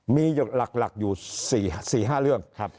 มีหลักอยู่๔๕เรื่อง